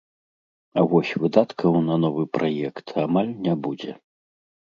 А вось выдаткаў на новы праект амаль не будзе.